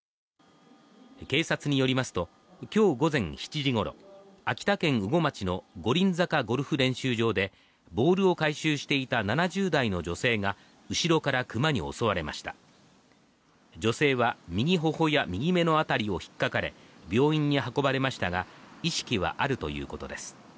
警察によりますときょう午前７時ごろ秋田県羽後町の五輪坂ゴルフ練習場でボールを回収していた７０代の女性が後ろからクマに襲われました女性は右頬や右目の辺りを引っかかれ病院に運ばれましたが意識はあるということです